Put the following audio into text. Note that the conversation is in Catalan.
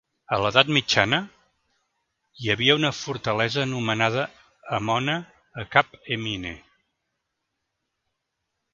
A l'edat mitjana, hi havia una fortalesa anomenada "Emona" a Cap Emine.